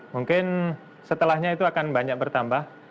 mungkin setelahnya itu akan banyak bertambah